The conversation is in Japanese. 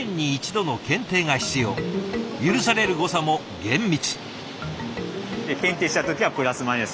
許される誤差も厳密。